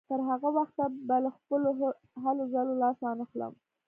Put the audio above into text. تر هغه وخته به له خپلو هلو ځلو لاس وانهخلم.